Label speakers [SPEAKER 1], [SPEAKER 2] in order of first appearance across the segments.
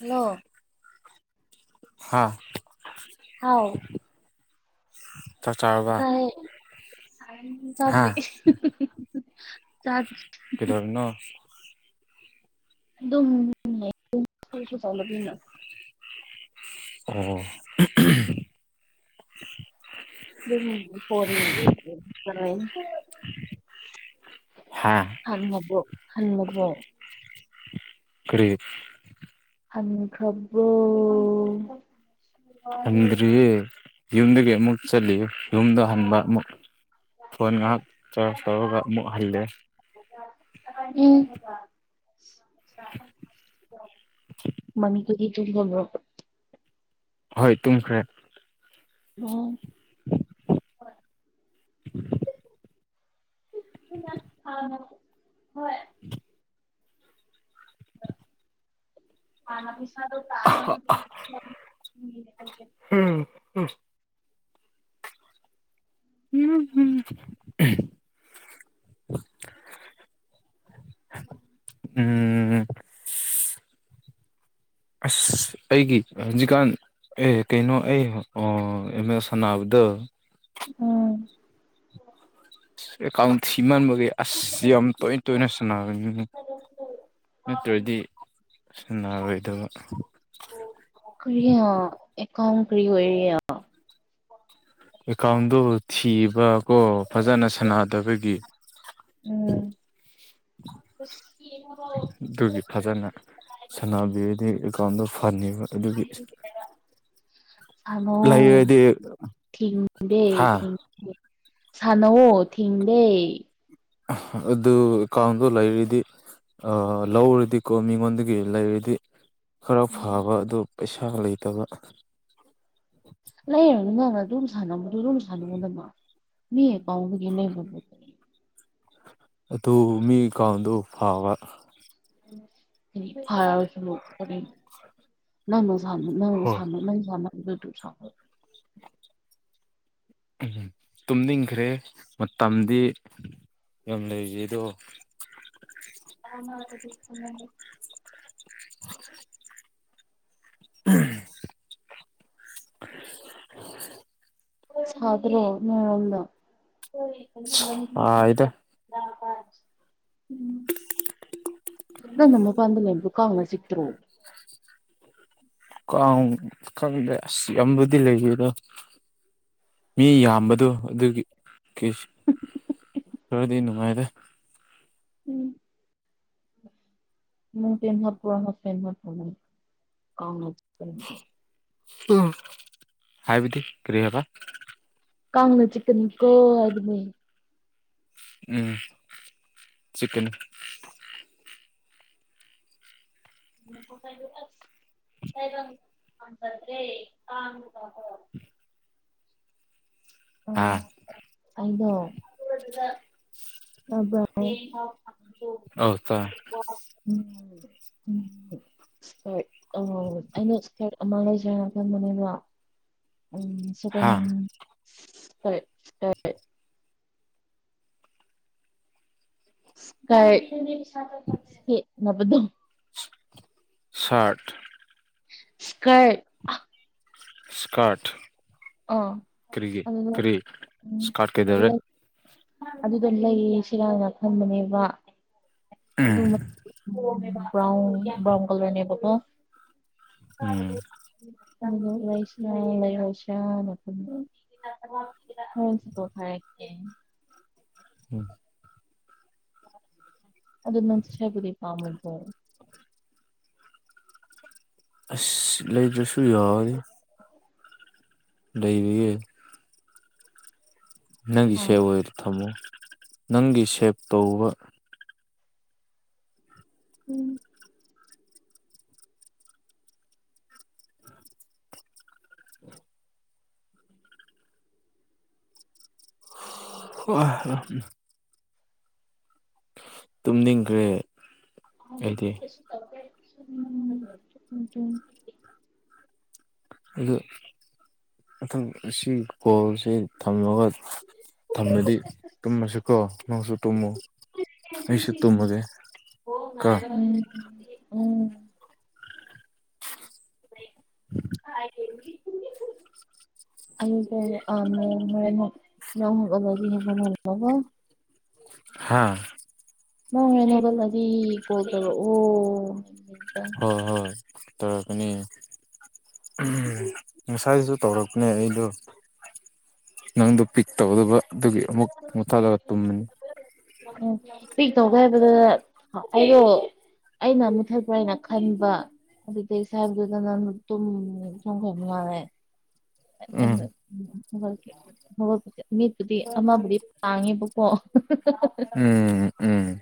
[SPEAKER 1] Hello
[SPEAKER 2] ꯍꯥꯥ
[SPEAKER 1] ꯍꯥꯎ
[SPEAKER 2] ꯇꯥ ꯆꯥꯎꯔꯕ
[SPEAKER 1] ꯆꯗꯔꯤ ꯆꯥꯖ
[SPEAKER 2] ꯀꯗꯔꯅ
[SPEAKER 1] ꯑꯗꯨꯝꯨꯁꯨ ꯆꯥꯎꯂꯅ
[SPEAKER 2] ꯑꯣ
[SPEAKER 1] ꯎꯝ ꯐ
[SPEAKER 2] ꯍꯥ
[SPEAKER 1] ꯍꯟꯃꯔꯨ ꯍꯟꯃꯔꯃꯨ
[SPEAKER 2] ꯀꯔꯤ
[SPEAKER 1] ꯑꯪꯈ꯭ꯔꯕꯨ
[SPEAKER 2] ꯍꯟꯗ꯭ꯔꯤꯌꯦ ꯌꯨꯝꯗꯒꯤ ꯑꯃꯨꯛ ꯆꯠꯂꯤ ꯌꯨꯝꯗ ꯍꯟꯕ ꯑꯃꯨꯛ ꯐꯣꯟ ꯉꯍꯥꯛ ꯆꯥꯖ ꯇꯧꯔꯒ ꯑꯃꯛꯍꯜꯂꯦ
[SPEAKER 1] [inaudible] ꯃꯅꯤ ꯀꯒꯤꯇ ꯍꯣ
[SPEAKER 2] ꯍꯣꯏ ꯇꯨꯝꯈ꯭ꯔꯦ
[SPEAKER 1] ꯑꯣ
[SPEAKER 2] [inaudible]
[SPEAKER 1] ꯑ ꯍꯣꯏ
[SPEAKER 2] ꯎ
[SPEAKER 1] [inaudible] ꯈꯥꯅ ꯄꯁꯅ ꯇꯅ
[SPEAKER 2] ꯎꯝ ꯎꯝ ꯍꯝ
[SPEAKER 1] ꯎꯝ
[SPEAKER 2] ꯎꯝ ꯑꯁ ꯑꯩꯒꯤ ꯍꯧꯖꯤꯛꯀꯥꯟ ꯑꯦ ꯀꯩꯅꯣ ꯑꯩ ꯑ ꯑꯦ ꯁꯥꯟꯅꯕꯗ ꯑ
[SPEAKER 1] ꯎꯝ
[SPEAKER 2] ꯑꯦꯀꯥꯎꯟꯁꯤꯃꯥꯟꯕꯒꯤꯩ ꯑꯁ ꯌꯥꯝ ꯇꯣꯏꯅ ꯇꯣꯏꯅ ꯁꯥꯟꯅꯔꯅꯤ ꯅꯠꯇ꯭ꯔꯗꯤ ꯁꯅꯥꯔꯣꯏꯗꯕ
[SPEAKER 1] ꯀꯔꯤ ꯑꯦ ꯀꯝ ꯀꯔꯤ ꯑꯣꯏꯔꯤ
[SPEAKER 2] ꯑꯦꯀꯥꯎꯟꯗꯣ ꯊꯤꯕ ꯀꯣ ꯐꯖꯅ ꯁꯥꯟꯅꯗꯕꯒꯤ
[SPEAKER 1] ꯎꯝ
[SPEAKER 2] ꯑꯗꯨꯒꯤ ꯐꯖꯅ ꯁꯥꯟꯅꯅꯕꯒꯤ ꯑꯦꯀꯥꯎꯟꯗꯣ ꯐꯅꯤꯕ ꯑꯗꯨꯒꯤ
[SPEAKER 1] ꯃꯣ
[SPEAKER 2] ꯂꯩꯔꯗꯤ
[SPEAKER 1] ꯊꯗ
[SPEAKER 2] ꯍꯥ
[SPEAKER 1] ꯊ ꯁꯥꯟꯅꯑꯣ ꯊꯤꯡꯗꯦ
[SPEAKER 2] ꯑꯗꯨ ꯀꯥꯡꯗꯣ ꯂꯩꯔꯤꯗꯤ ꯑ ꯂꯧꯔꯗꯤꯀꯣ ꯃꯤꯉꯣꯟꯗꯒꯤ ꯂꯩꯔꯗꯤ ꯈꯔ ꯐꯕ ꯑꯗꯨ ꯄꯩꯁꯥ ꯂꯩꯇꯕ
[SPEAKER 1] ꯂꯩꯔ ꯅꯪ ꯑꯗꯨꯝ ꯁꯥꯟꯅꯕꯗ ꯑꯗꯨꯝ ꯁꯥꯟꯅꯕꯅꯕꯗꯃ ꯃꯤ ꯀꯥꯎꯕ ꯅ
[SPEAKER 2] ꯑꯗꯨ ꯃꯤ ꯑꯦꯀꯥꯎꯟꯗꯨ ꯐꯥꯕ
[SPEAKER 1] ꯐ ꯑꯣꯏ ꯐꯂ ꯅ ꯪ ꯁꯥꯟ ꯅꯪ
[SPEAKER 2] ꯍꯣꯏ
[SPEAKER 1] ꯁꯥꯟꯅ ꯁ
[SPEAKER 2] ꯇꯨꯝꯅꯤꯡꯈ꯭ꯔꯦ ꯃꯇꯝꯗꯤ ꯀ ꯂꯩꯖꯗꯣ
[SPEAKER 1] [inaudible]
[SPEAKER 2] [unintelligible] [unintelligible]
[SPEAKER 1] ꯁꯥꯗ꯭ꯔꯣ ꯅꯂ
[SPEAKER 2] ꯁꯥꯏꯗ
[SPEAKER 1] ꯑ ꯅꯃ ꯄꯗꯝ ꯂꯩꯦ ꯄꯨꯀꯑ ꯁꯤꯠꯇꯔꯣꯝ
[SPEAKER 2] ꯀꯪꯗꯦ ꯑꯁ ꯌꯥꯝꯕꯨꯗꯤ ꯂꯩꯕꯤꯗꯣ ꯃꯤ ꯌꯥꯝꯕꯗꯣ ꯑꯗꯨꯒꯤ
[SPEAKER 1] [unintelligible]
[SPEAKER 2] ꯊꯔꯗꯤ ꯅꯨꯡꯉꯥꯏꯗ
[SPEAKER 1] ꯎꯝ ꯃ ꯇꯦꯟ ꯍꯥꯠ ꯄꯔ ꯇꯦꯟꯃ ꯄ ꯀꯥꯎ
[SPEAKER 2] ꯎ ꯍꯥꯏꯕꯤꯗꯤ ꯀꯔꯤ ꯍꯥꯏꯕ
[SPEAKER 1] ꯀꯥꯉꯅ ꯆꯤꯛꯅꯅꯤ ꯀꯣ ꯑꯗꯨ ꯑꯗꯨꯅꯤ
[SPEAKER 2] ꯎꯝ ꯆꯀꯅ
[SPEAKER 1] ꯣ ꯐꯥꯏꯗꯁ ꯕꯠꯇꯦ ꯀ
[SPEAKER 2] ꯍꯥꯥ
[SPEAKER 1] ꯑꯗꯣ ꯑꯕ
[SPEAKER 2] ꯑ ꯇ
[SPEAKER 1] ꯎꯝ ꯎꯝ
[SPEAKER 2] [unintelligible]
[SPEAKER 1] ꯏꯁꯀꯔꯠ ꯑ ꯑꯩꯅ ꯏꯁꯀꯔꯠ ꯑꯃ ꯂꯩꯖꯔꯅ ꯈꯟꯕꯅꯦꯕ ꯎꯝ ꯁ
[SPEAKER 2] ꯍꯥ
[SPEAKER 1] ꯇꯔꯦ ꯇꯔꯦ ꯀꯥꯏ ꯅ
[SPEAKER 2] ꯁꯠ
[SPEAKER 1] ꯁ꯭ꯀꯔ
[SPEAKER 2] ꯁꯀꯔꯠ
[SPEAKER 1] ꯑꯣ
[SPEAKER 2] ꯀꯔꯤꯒꯤ
[SPEAKER 1] ꯑꯗꯨꯗ
[SPEAKER 2] ꯀꯔꯤ
[SPEAKER 1] ꯎꯝ
[SPEAKER 2] ꯁꯀꯥꯠ ꯀꯗꯔꯦ
[SPEAKER 1] ꯂꯩ ꯑꯗꯨꯗ ꯂꯩꯌꯦ ꯁꯤꯔꯥꯅ ꯈꯝꯕꯅꯦꯕ ꯑꯗꯨꯝ꯭ꯔꯟ ꯕ꯭ꯔꯥꯎꯟ ꯀꯂꯔꯅꯦꯕꯀꯣ
[SPEAKER 2] ꯎꯝ
[SPEAKER 1] ꯂꯩꯁ ꯂꯩꯁ ꯆ ꯄ ꯈꯔ
[SPEAKER 2] ꯎꯝ
[SPEAKER 1] ꯑꯗꯨꯗ ꯅ ꯆꯆꯦꯕꯨꯗꯤ ꯄꯥꯃ ꯄꯣ
[SPEAKER 2] ꯑꯁ ꯂꯩꯕ꯭ꯔꯁꯨ ꯌꯥꯎꯤ
[SPEAKER 1] [unintelligible]
[SPEAKER 2] ꯂꯩꯔꯤꯦ ꯅꯪꯒꯤ
[SPEAKER 1] ꯍꯥ
[SPEAKER 2] ꯁꯦꯞ ꯑꯣꯏꯔ ꯊꯝꯃꯨ ꯅꯪꯒꯤ ꯁꯦꯞ ꯇꯧꯕ
[SPEAKER 1] ꯎꯝ ꯑꯣ
[SPEAKER 2] ꯑ ꯇꯨꯝꯅꯤꯡꯈ꯭ꯔꯦ ꯑꯩꯗꯤ
[SPEAKER 1] [unintelligible]
[SPEAKER 2] ꯑꯗꯨ ꯃꯊꯪ ꯁꯤ ꯀꯣꯜꯁꯦ ꯊꯝꯃꯒ ꯊꯝꯃꯗꯤ ꯇꯨꯝꯃꯁꯨꯀꯣ ꯅꯪꯁꯨ ꯇꯨꯝꯃꯨ ꯑꯩꯁꯨ ꯇꯨꯝꯃꯒꯦ ꯀꯣ
[SPEAKER 1] ꯉ ꯎ ꯍꯥꯏꯗꯤ
[SPEAKER 2] [unintelligible]
[SPEAKER 1] ꯑ ꯍ ꯍꯅꯣ
[SPEAKER 2] ꯍꯥꯥ
[SPEAKER 1] ꯅꯅꯕꯗꯤ ꯍꯗꯣ ꯑꯣ
[SPEAKER 2] ꯍ ꯍꯣꯏ ꯇꯔꯀꯅꯤ ꯎ ꯃꯁꯥꯏꯁꯨ ꯇꯧꯔꯛꯄꯅꯦ ꯑꯩꯗꯣ ꯅꯪꯗ ꯄꯤꯛ ꯇꯧꯗꯕꯗꯨꯒꯤ ꯑꯃꯨꯛ ꯃꯨꯊꯂꯒ ꯇꯨꯝꯃꯤꯅꯤ
[SPEAKER 1] ꯎꯝ ꯄꯤꯛ ꯇꯧꯒꯦ ꯍꯥꯏꯕꯗ ꯑꯩꯗꯣ ꯑꯩꯅ ꯃꯨꯊꯠꯄ꯭ꯔ ꯍꯥꯏꯅ ꯈꯟꯕ ꯑꯗꯨ ꯁꯥꯕꯗ ꯃꯠꯇꯝ ꯁꯈꯉꯔꯦ
[SPEAKER 2] ꯎꯝ
[SPEAKER 1] ꯦꯗꯤ ꯃꯤꯕꯨꯗꯤ ꯑꯃꯕꯨꯗꯤ ꯄꯥꯡꯉꯦ
[SPEAKER 2] ꯎꯝ ꯎꯝ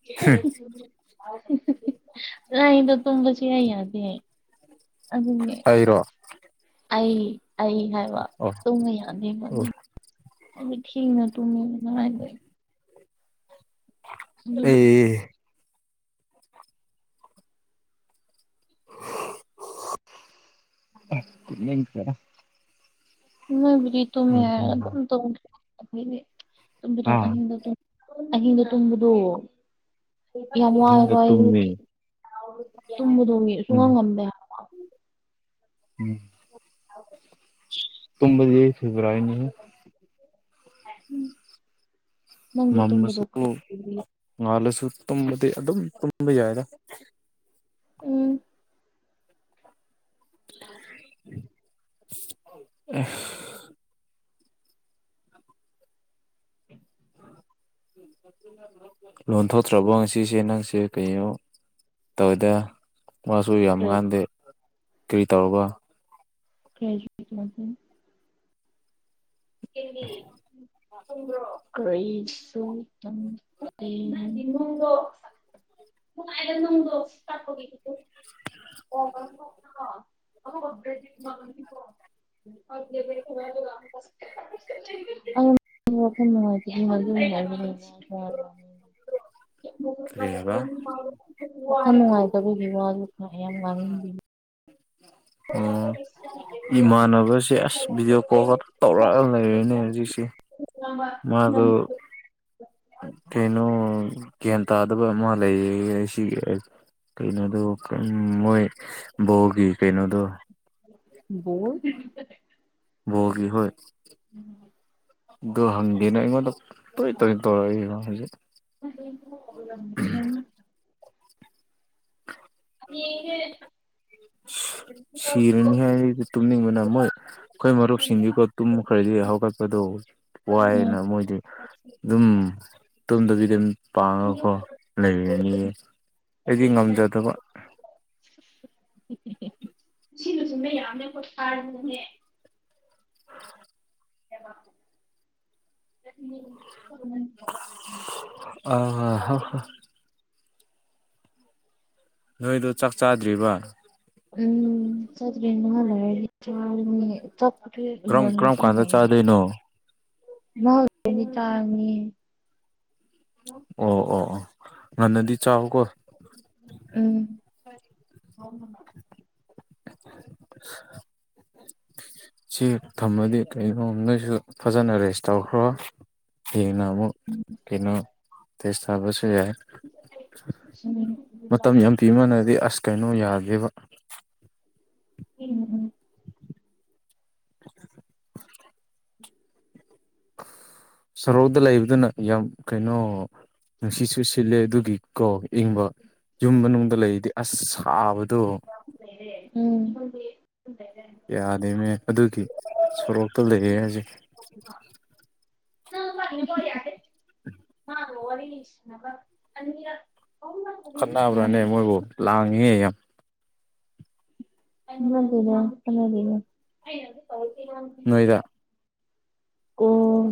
[SPEAKER 1] [unintelligible] ꯑꯗ ꯇꯨꯝꯁ ꯍꯥꯏꯏ ꯌꯥꯗ
[SPEAKER 2] ꯑꯩꯔꯣ
[SPEAKER 1] ꯑꯩ ꯑꯩ ꯍꯥꯏꯕ
[SPEAKER 2] ꯑꯣ
[SPEAKER 1] ꯇꯨꯡꯉ ꯌꯥꯅꯤ
[SPEAKER 2] ꯑꯣ
[SPEAKER 1] ꯃꯥꯅꯤ ꯑ ꯊꯅ ꯇꯨꯃꯤꯅꯥꯏ
[SPEAKER 2] ꯑꯦ ꯑꯁ ꯌꯦ ꯇꯔ
[SPEAKER 1] ꯅꯣꯏꯕꯨꯗꯤ ꯇꯨꯝꯕ ꯌꯥꯏ ꯑꯗꯨꯝ ꯇꯧꯕꯗꯣ ꯑꯩꯈꯣꯏꯗꯤ ꯇꯨꯝꯕꯗꯣ
[SPEAKER 2] ꯑꯥ
[SPEAKER 1] ꯑꯍꯤꯡꯗ ꯇꯨꯝꯕꯗꯣ ꯑꯍꯤꯡ ꯇꯨꯡꯕꯗꯨ ꯌꯥꯝꯏ
[SPEAKER 2] ꯑꯍꯤꯡꯗ
[SPEAKER 1] ꯑꯩ
[SPEAKER 2] ꯇꯨꯝꯃꯤ
[SPEAKER 1] ꯇꯃ ꯊꯣꯡꯉꯤ
[SPEAKER 2] ꯎꯝ
[SPEAKER 1] ꯁꯨꯉꯒꯝꯕꯦ
[SPEAKER 2] ꯎꯝ ꯇꯝꯕꯗꯤ ꯌꯦꯁꯤꯕ꯭ꯔꯥꯏꯅꯤ
[SPEAKER 1] ꯎꯝ
[SPEAKER 2] ꯃꯝꯃꯁꯨ ꯉꯥꯜꯂꯁꯨ ꯇꯨꯝꯕꯗꯤ ꯑꯗꯨꯝ ꯇꯨꯝꯕ ꯌꯥꯏꯔ [inaudible]
[SPEAKER 1] ꯎꯝ
[SPEAKER 2] ꯑ ꯂꯣꯟꯊꯣꯛꯇ꯭ꯔꯕꯣ ꯉꯁꯤꯁꯦ ꯅꯪꯁꯦ ꯀꯣ ꯇꯧꯋꯦꯗ ꯃꯥꯁꯨ ꯌꯥꯝꯃ ꯀꯥꯟꯗ ꯀꯔꯤ ꯇꯧꯔꯕ
[SPEAKER 1] ꯀꯦꯖ ꯀꯩ ꯎꯝ ꯃꯣꯡꯗꯣꯥꯏꯗ ꯅꯣꯡꯗꯣ ꯇꯒꯦ ꯑꯣꯗꯤ ꯊ ꯋꯥꯐꯝ ꯅꯨꯡꯉꯥꯏꯇꯒꯤ ꯃꯗꯨ
[SPEAKER 2] ꯀꯔꯤ ꯍꯥꯏꯕ
[SPEAKER 1] ꯃꯉꯕꯤ ꯋꯥ ꯅꯨꯡꯉꯥꯏꯇꯕꯒꯤ ꯋꯥꯁꯨ ꯈꯥꯏ ꯌꯥꯝ ꯉꯥꯡꯍꯟꯕꯤ
[SPEAKER 2] ꯎꯝ ꯏꯃꯥꯟꯅꯕꯁꯦ ꯑꯁ ꯚꯤꯗꯤꯑꯣ ꯀꯣꯜ ꯈꯛꯇ ꯇꯧꯔꯒ ꯂꯩꯔꯦꯅꯦ ꯍꯧꯖꯤꯛꯁꯦ ꯃꯥꯗꯨ ꯇꯩꯅꯣ ꯒ꯭ꯌꯥꯟ ꯇꯥꯗꯕ ꯑꯃ ꯂꯩꯌꯦ ꯁꯤ ꯀꯩꯅꯣꯗꯣ ꯎꯝ ꯃꯣꯏ ꯕꯣꯒꯤ ꯀꯩꯅꯣꯗꯣ
[SPEAKER 1] ꯕꯣꯜ
[SPEAKER 2] ꯕꯒꯤ ꯍꯣꯏ ꯑꯗꯨ ꯍꯪꯗꯦꯅ ꯑꯩꯉꯣꯟꯗ ꯇꯣꯏ ꯇꯣꯏ ꯇꯧꯔꯛꯏꯕ ꯍꯧꯖꯤꯛ
[SPEAKER 1] [inaudible] ꯍ
[SPEAKER 2] ꯎ ꯁꯤꯔꯅꯤ ꯍꯥꯏꯗꯤ ꯇꯨꯝꯅꯤꯡꯕꯅ ꯃꯣꯏ ꯑꯩꯈꯣꯏ ꯃꯔꯨꯞꯁꯤꯡꯗꯨꯀꯣ ꯇꯨꯝ ꯈꯔꯗꯤ ꯍꯧꯒꯠꯄꯗꯣ ꯋꯥꯏꯅ ꯃꯣꯏꯗꯤ ꯑꯗꯨꯝ ꯇꯝꯗꯕꯤꯗꯤ ꯑꯗꯨꯝ ꯄꯥꯡꯉꯀꯣ ꯂꯩꯔꯅꯤꯌꯦ ꯑꯩꯗꯤ ꯉꯝꯖꯗꯕ
[SPEAKER 1] [inaudible]
[SPEAKER 2] ꯎ
[SPEAKER 1] [unintelligible]
[SPEAKER 2] [inaudible]
[SPEAKER 1] [unintelligible]
[SPEAKER 2] ꯑꯥꯍꯥ꯫ ꯅꯣꯏꯗꯣ ꯆꯥꯛ ꯆꯥꯗ꯭ꯔꯤꯕ꯫
[SPEAKER 1] ꯎꯝ ꯆꯠꯇꯦ ꯅꯍꯥꯛ ꯂꯩꯔꯗꯤ ꯆꯥꯔꯅꯤ꯫ ꯆꯥꯛꯄꯨꯗꯤ
[SPEAKER 2] ꯀꯔꯝ ꯀꯔꯝ ꯀꯥꯟꯗ ꯆꯥꯗꯣꯏꯅꯣ꯫
[SPEAKER 1] ꯃꯅꯤꯇꯥꯔꯃꯤ꯫
[SPEAKER 2] ꯑꯣ ꯑꯣ ꯑꯣ ꯉꯅꯗꯤ꯫
[SPEAKER 1] ꯎꯝ꯫
[SPEAKER 2] [unintelligible] ꯁꯤ ꯊꯝꯃꯗꯤ ꯀꯣ ꯅꯣꯏꯁꯨ ꯐꯖꯅ ꯔꯦꯁ ꯇꯧꯈ꯭ꯔꯣ꯫ ꯀꯅ ꯑꯃꯨꯛ ꯀꯅꯣ ꯇꯁꯥꯕꯨ꯫ ꯌꯥꯏ ꯃꯇꯝ ꯌꯥꯝ ꯄꯤꯃꯥꯟꯅꯗꯤ ꯑꯁ ꯀꯩꯅꯣ ꯌꯥꯗ꯫ ꯗꯦꯕ꯫
[SPEAKER 1] ꯎꯝ ꯎꯝ꯫
[SPEAKER 2] ꯁꯔꯣꯛꯗ ꯂꯩꯕꯗꯨꯅ ꯌꯥꯝ ꯀꯩꯅꯣ꯫ ꯅꯨꯡꯁꯤꯠꯁꯨ ꯁꯤꯜꯂꯦ ꯑꯗꯨꯒꯤ ꯀꯣ ꯏꯪꯕ ꯌꯨꯝ ꯃꯅꯨꯡꯗꯅꯨꯡꯗ ꯂꯩꯗꯤ ꯑꯁ ꯁꯥꯕ꯫
[SPEAKER 1] ꯎꯝ꯫
[SPEAKER 2] ꯌꯥꯗꯦꯅꯦ ꯑꯗꯨꯒꯤ ꯁꯣꯔꯣꯛꯇꯣ ꯂꯩꯌꯦ ꯍꯧꯖꯤꯛ꯫
[SPEAKER 1] [unintelligible]
[SPEAKER 2] [inaudible]
[SPEAKER 1] [unintelligible]
[SPEAKER 2] ꯈꯠꯅꯕ꯭ꯔꯥꯅꯦ ꯃꯣꯏꯕꯨ ꯂꯥꯡꯉꯦ ꯌꯥꯝ꯫
[SPEAKER 1] ꯍꯒꯗ ꯍꯒꯗ꯫
[SPEAKER 2] ꯅꯣꯏꯗ꯫
[SPEAKER 1] ꯑꯣ꯫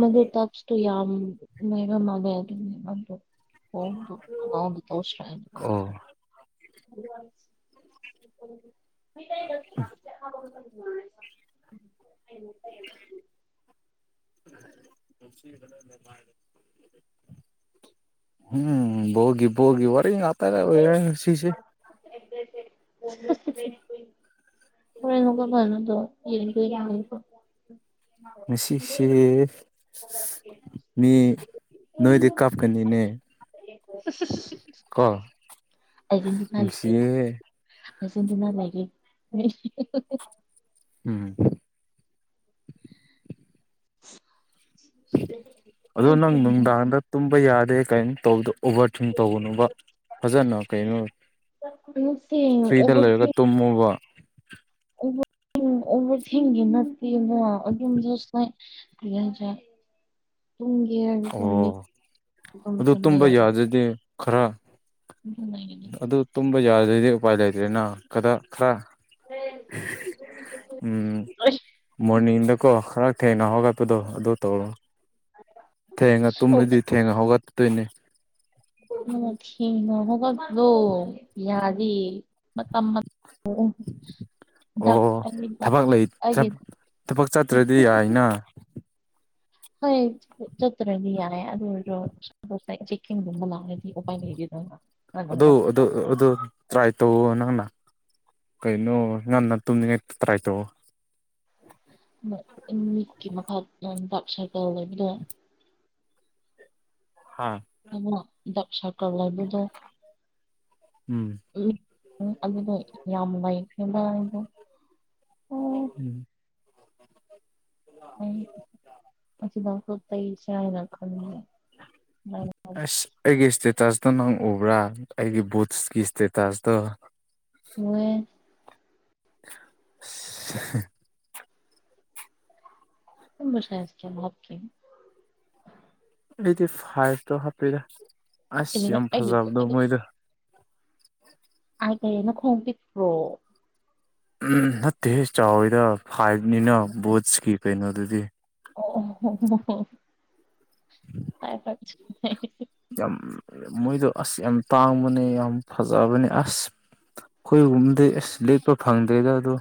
[SPEAKER 1] ꯃꯗꯨ ꯇꯞꯁꯇꯣ ꯌꯥꯝ ꯃꯔ ꯃꯥꯒ ꯑꯗꯨ꯫
[SPEAKER 2] ꯑꯣ
[SPEAKER 1] [unintelligible] [unintelligible] [unintelligible]
[SPEAKER 2] [inaudible] [inaudible] ꯎꯝ ꯕꯣꯜꯒꯤ ꯕꯣꯜꯒꯤ ꯋꯥꯔꯤ ꯑꯇꯥꯔ ꯁꯤꯁꯦ꯫
[SPEAKER 1] [unintelligible] [unintelligible]
[SPEAKER 2] ꯉꯁꯤꯁꯤꯁꯦ ꯃꯤ꯫ ꯅꯣꯏꯗꯤ ꯀꯥꯞꯀꯅꯤꯅꯦ꯫ ꯀꯣ
[SPEAKER 1] ꯑꯔꯖꯦꯟꯇꯤꯅꯥ꯫
[SPEAKER 2] ꯅꯨꯡꯁꯤꯌꯦ
[SPEAKER 1] ꯐꯁꯗꯨꯅ ꯂꯒꯦ꯫
[SPEAKER 2] ꯎꯝ꯫ ꯑꯗꯣ ꯅꯪ ꯅꯨꯡꯗꯥꯡꯗ ꯇꯨꯝꯕ ꯌꯥꯗꯦ ꯀꯩꯅꯝ ꯇꯧꯕꯗꯣ꯫ ꯑꯣꯚꯔꯊꯤꯡ ꯇꯧꯅꯕ ꯐꯖꯅ ꯀꯩꯅꯣ꯫
[SPEAKER 1] ꯅꯠꯇꯦ
[SPEAKER 2] ꯐ꯭ꯔꯤꯗ ꯂꯩꯔꯒ ꯇꯨꯝꯃꯨꯕ꯫
[SPEAKER 1] ꯎ ꯎꯕ ꯊꯁꯤꯡꯒꯤ ꯅꯠꯇꯦꯗ ꯑꯗꯨꯨꯝ ꯖꯥꯁ ꯂꯥꯏ꯫ [unintelligible] ꯇꯨꯡꯒꯦ ꯍꯥꯏ ꯃꯤꯠ
[SPEAKER 2] ꯑꯣ ꯑꯗꯨ
[SPEAKER 1] ꯇꯨꯝ
[SPEAKER 2] ꯇꯨꯝꯕ
[SPEAKER 1] ꯌꯥꯗꯕ꯫
[SPEAKER 2] ꯌꯥꯗ꯭ꯔꯗꯤ ꯈꯔ
[SPEAKER 1] ꯑꯗꯨꯝ ꯂꯩꯒꯅꯤ
[SPEAKER 2] ꯑꯗꯨ ꯇꯨꯝꯕ ꯌꯥꯔꯗꯤ ꯎꯄꯥꯏ ꯂꯩꯇ꯭ꯔꯦꯅꯗꯥ ꯈꯔ꯫
[SPEAKER 1] [unintelligible]
[SPEAKER 2] ꯎꯝ꯫ ꯃꯣꯔꯅꯤꯡꯗꯀꯣ ꯈꯔꯛ ꯊꯦꯡꯅ ꯍꯒꯄꯗꯣ ꯑꯗꯨꯗ ꯇꯧꯣ ꯊꯦꯡꯉ
[SPEAKER 1] ꯑꯣ
[SPEAKER 2] ꯇꯨꯝꯗꯤ ꯊꯦꯡꯉ ꯍꯒꯠꯇꯣꯏꯅꯦ
[SPEAKER 1] ꯒꯗꯣ ꯌꯥꯔꯤ ꯃꯇꯝ ꯑꯣ ꯗꯥꯛ
[SPEAKER 2] ꯑꯣ
[SPEAKER 1] ꯑꯔꯤꯕ
[SPEAKER 2] ꯊꯕꯛ ꯂꯩ
[SPEAKER 1] ꯑꯩꯒꯤ
[SPEAKER 2] ꯊꯕꯛ ꯆꯠꯇ꯭ꯔꯗꯤ
[SPEAKER 1] [unintelligible]
[SPEAKER 2] ꯌꯥꯏꯅ
[SPEAKER 1] ꯍꯣꯏ ꯆꯠꯇ꯭ꯔꯗꯤ ꯌꯥꯔꯦ ꯑꯗꯨ ꯑꯣꯏ ꯗꯣꯁ ꯆꯤꯟꯒꯨꯝꯕ ꯂꯥꯛꯑ
[SPEAKER 2] ꯑꯗꯨ ꯑꯗꯨ ꯑꯗꯨ ꯇ꯭ꯔꯥꯏ ꯇꯧꯋ ꯅꯪꯅ ꯀꯩꯅꯩꯅꯣ ꯉꯟꯅ ꯇꯨꯝꯅꯤ ꯉꯠꯇ꯭ꯔꯥꯏ ꯇꯧꯑꯣ
[SPEAKER 1] [unintelligible] ꯑ ꯗ ꯁꯀ꯭ꯔ ꯂ ꯑꯗꯨꯗ
[SPEAKER 2] ꯎꯝ
[SPEAKER 1] ꯎ ꯑꯗꯨꯗ ꯌꯥꯝ ꯅꯩꯈꯔ꯭ꯦ ꯃꯥꯗꯣ
[SPEAKER 2] [unintelligible]
[SPEAKER 1] ꯀꯩ ꯆꯥꯏꯔ
[SPEAKER 2] ꯑꯁ ꯑꯩꯒꯤ ꯏꯁꯇꯦ ꯇꯣ ꯅꯪ ꯎꯕ꯭ꯔꯥ ꯑꯩꯒꯤ ꯕꯨꯠꯁꯀꯤ ꯏꯁꯇꯦꯇꯁꯇꯣ
[SPEAKER 1] ꯃꯨꯌꯦ
[SPEAKER 2] [unintelligible]
[SPEAKER 1] ꯅꯪꯕꯨ ꯁꯥꯏꯁ ꯀꯌꯥ ꯍꯥꯞꯀꯦ
[SPEAKER 2] ꯑꯩꯗꯤ ꯐꯥꯏꯞꯇꯣ ꯍꯥꯄꯦꯗ ꯑꯁ ꯌꯥꯝ ꯐꯖꯕꯗꯣ ꯃꯣꯏꯗ [inaudible]
[SPEAKER 1] ꯀꯩꯒꯤ ꯅꯈꯣꯡ ꯄꯤꯛꯄ꯭ꯔꯣ
[SPEAKER 2] ꯎꯝ ꯅꯠꯇꯦ ꯆꯥꯎꯋꯤꯗ ꯐꯥꯏꯕꯅꯤꯅ ꯕꯣꯠꯁꯀꯤ ꯀꯩꯅꯣꯗꯨꯗꯤ
[SPEAKER 1] ꯑꯣ ꯍ ꯐ
[SPEAKER 2] ꯌꯥꯝ ꯃꯣꯏꯗꯣ ꯑꯁ ꯌꯥꯝ ꯇꯥꯡꯕꯅꯦ ꯌꯥꯝ ꯐꯖꯕꯅꯦ ꯑꯁ ꯈꯣꯏꯒꯨꯝꯕꯗꯤ ꯑꯁ ꯂꯦꯠꯄ ꯐꯪꯗ꯭ꯔꯦꯗ ꯑꯗꯣ